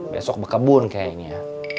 besok kebun kayaknya